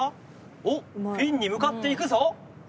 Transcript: おっピンに向かっていくぞ。